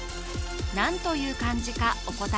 何という漢字かお答え